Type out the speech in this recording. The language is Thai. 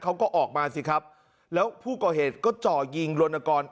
เขาก็ออกมาสิครับแล้วผู้ก่อเหตุก็จ่อยิงลนกร